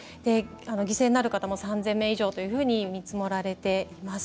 犠牲になる方も３０００名以上と見積もられています。